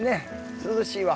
涼しいわ。